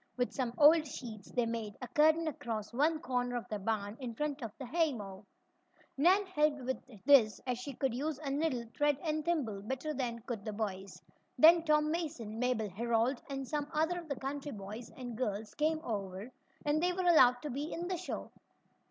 With some old sheets they made a curtain across one corner of the barn, in front of the haymow. Nan helped with this, as she could use a needle, thread and thimble better than could the boys. Then Tom Mason, Mabel Herold and some other of the country boys and girls came over, and they were allowed to be in the show.